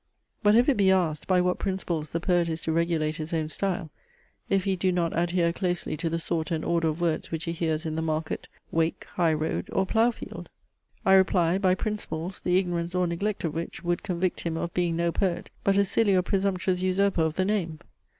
But if it be asked, by what principles the poet is to regulate his own style, if he do not adhere closely to the sort and order of words which he hears in the market, wake, high road, or plough field? I reply; by principles, the ignorance or neglect of which would convict him of being no poet, but a silly or presumptuous usurper of the name.